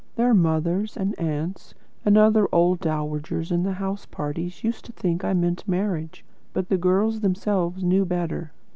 Their mothers, and aunts, and other old dowagers in the house parties used to think I meant marriage, but the girls themselves knew better.